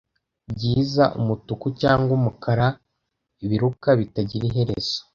byiza umutuku cyangwa umukara biruka bitagira iherezo